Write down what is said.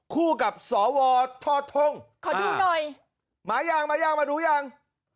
คู่กับสวทธงศ์ขอดูหน่อยมายังมาดูยัง